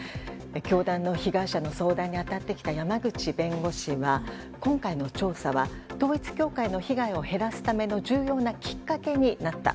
教団の被害者の相談に当たってきた、山口弁護士は今回の調査は統一教会の被害を減らすための、重要なきっかけになった。